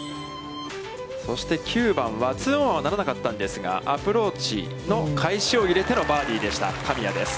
そして９番は、ツーオンはならなかったんですが、アプローチの返しを入れてのバーディーでした、神谷です。